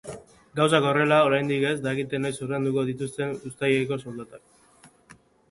Gauzak horrela, oraindik ez dakite noiz ordainduko dituzten uztaileko soldatak.